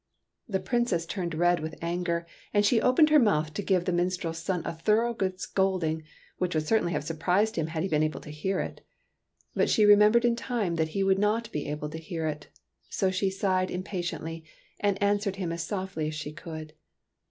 The Princess turned red with anger, and she opened her mouth to give the minstrel's son a thorough good scolding, which would certainly have surprised him had he been able to hear it. But she remembered in time that he would not be able to hear it, so she sighed impatiently and answered him as softly as she could.